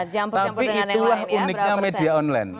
tapi itulah uniknya media online